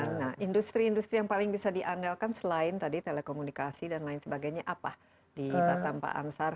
nah industri industri yang paling bisa diandalkan selain tadi telekomunikasi dan lain sebagainya apa di batam pak ansar